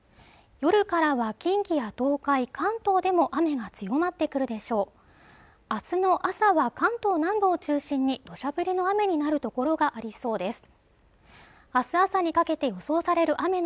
夜からは近畿や東海関東でも雨が強まってくるでしょう明日の朝は関東南部を中心に土砂降りの雨になる所がありそうです